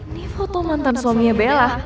di foto mantan suaminya bella